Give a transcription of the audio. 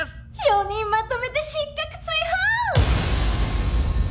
４人まとめて失格追放！